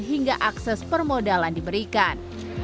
hingga akses permodalan diberikan